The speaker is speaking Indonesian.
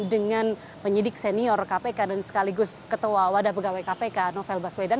dengan penyidik senior kpk dan sekaligus ketua wadah pegawai kpk novel baswedan